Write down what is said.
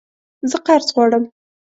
زه قرض غواړم